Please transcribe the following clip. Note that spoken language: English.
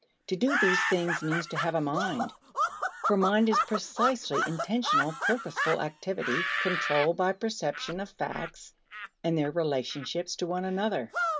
To do these things means to have a mind for mind is precisely intentional purposeful activity controlled by perception of facts and their relationships to one another.